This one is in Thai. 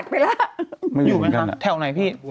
อยู่ไปหวัดไปหรอกอยู่ไหมคะแถวไหนพี่